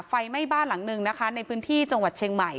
ไฟไหม้บ้านหลังนึงนะคะในพื้นที่จังหวัดเชียงใหม่